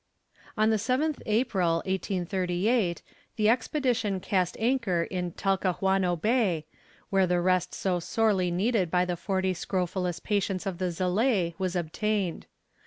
On the 7th April, 1838, the expedition cast anchor in Talcahuano Bay, where the rest so sorely needed by the forty scrofulous patients of the Zelée was obtained.